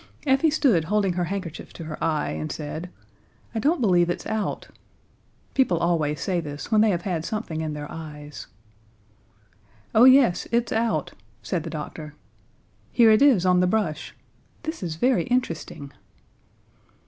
Effie stood holding her handkerchief to her eye, and said: "I don't believe it's out." People always say this when they have had something in their eyes. "Oh, yes it's out," said the doctor. "Here it is, on the brush. This is very interesting."